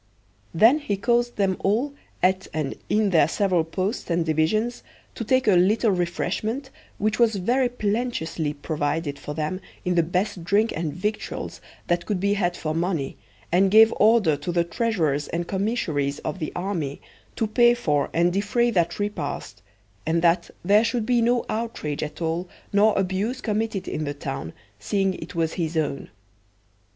Then he caused them all at and in their several posts and divisions to take a little refreshment, which was very plenteously provided for them in the best drink and victuals that could be had for money, and gave order to the treasurers and commissaries of the army to pay for and defray that repast, and that there should be no outrage at all nor abuse committed in the town, seeing it was his own.